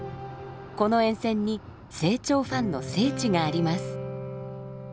この沿線に清張ファンの聖地があります。